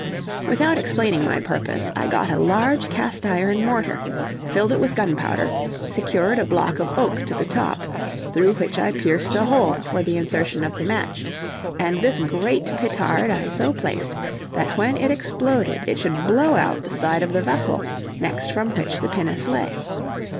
Without explaining my purpose, I got a large cast iron mortar, filled it with gunpowder, secured a block of oak to the top, through which I pierced a hole for the insertion of the match, and this great petard I so placed, that when it exploded it should blow out the side of the vessel next from which the pinnace lay.